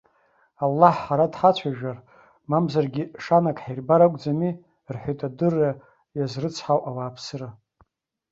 Аллаҳ ҳара дҳацәажәар, мамзаргьы шанак ҳирбар акәӡамзи!- рҳәеит адырра иазрыцҳау ауааԥсыра.